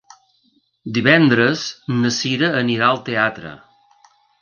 Divendres na Sira anirà al teatre.